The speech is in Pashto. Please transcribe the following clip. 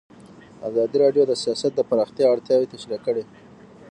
ازادي راډیو د سیاست د پراختیا اړتیاوې تشریح کړي.